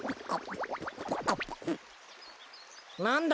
なんだ？